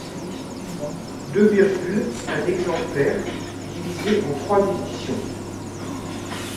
deux virgule un exemplaires, divisé en trois éditions.